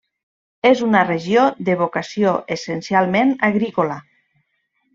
És una regió de vocació essencialment agrícola.